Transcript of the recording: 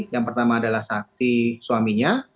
yang pertama adalah saksi suaminya